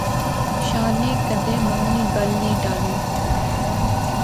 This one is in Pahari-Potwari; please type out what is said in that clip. شانے کیدے مائو نی گل نی ٹالی